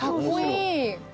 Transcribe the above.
かっこいい！